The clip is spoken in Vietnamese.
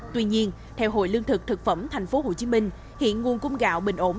tuy nhiên theo hội lương thực thực phẩm tp hcm hiện nguồn cung gạo bình ổn